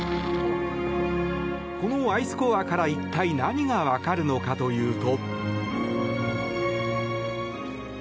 このアイスコアから一体何が分かるのかというと。